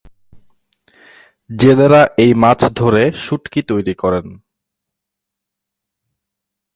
জেলেরা এই মাছ ধরে শুঁটকি তৈরি করেন।